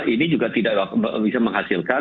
ini juga tidak bisa menghasilkan